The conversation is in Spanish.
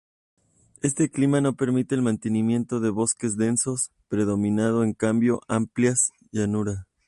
Este clima no permite el mantenimiento de bosques densos, predominado en cambio amplias llanuras.